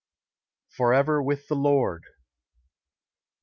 FOREVER WITH THE LORD.